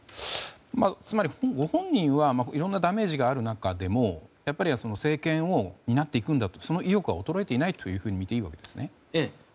つまり、ご本人はいろんなダメージがある中でもやっぱり政権を担っていくんだというその意欲は衰えてないと見ていいわけですね。